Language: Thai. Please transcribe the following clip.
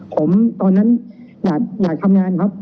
ผมตอนนั้นอยากทำงานครับ